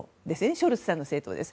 ショルツさんの政党です。